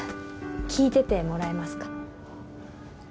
聞いててもらえますか？